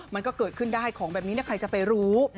มันก็เกิดขึ้นได้ของแบบนี้ใครจะไปรู้